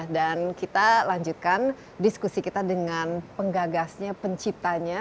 dan kita lanjutkan diskusi kita dengan penggagasnya penciptanya